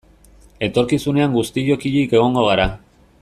Etorkizunean guztiok hilik egongo gara.